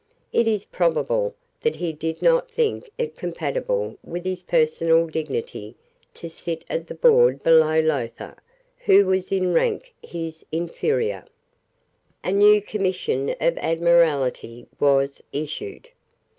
It is probable that he did not think it compatible with his personal dignity to sit at the board below Lowther, who was in rank his inferior, A new Commission of Admiralty was issued.